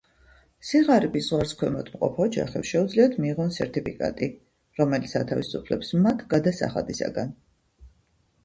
სიღარიბის ზღვარს ქვემოთ მყოფ ოჯახებს შეუძლიათ მიიღონ სერტიფიკატი, რომელიც ათავისუფლებს მათ გადასახადისაგან.